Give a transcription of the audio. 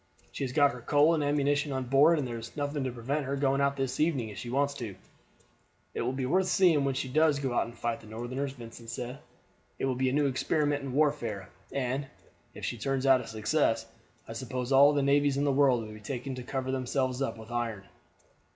"She has got her coal and ammunition on board, and there's nothing to prevent her going out this evening if she wants to." "It will be worth seeing when she does go out to fight the Northerners," Vincent said. "It will be a new experiment in warfare, and, if she turns out a success, I suppose all the navies in the world will be taking to cover themselves up with iron."